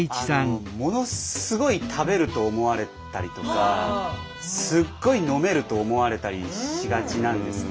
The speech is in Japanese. ものすごい食べると思われたりとかすっごい飲めると思われたりしがちなんですけど。